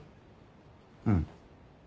うん。